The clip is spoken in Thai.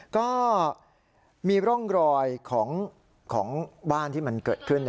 ก็มีร่องรอยของบ้านที่มันเกิดขึ้น